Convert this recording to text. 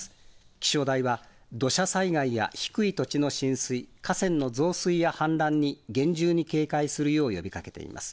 気象台は土砂災害や低い土地の浸水、河川の増水や氾濫に厳重に警戒するよう呼びかけています。